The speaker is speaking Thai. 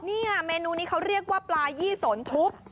นี่เมนูนี้เขาเรียกว่าปลายี่สนทุบ